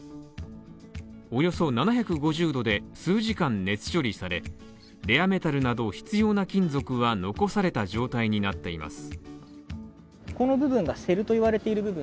およそ７５０度で数時間熱処理され、レアメタルなど必要な金属は残された状態になっています。